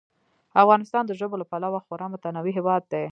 افغانستان د ژبو له پلوه خورا متنوع هېواد دی.